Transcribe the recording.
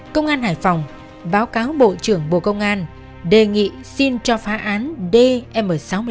công an hải phòng báo cáo bộ trưởng bộ công an đề nghị xin cho phá án dm sáu mươi năm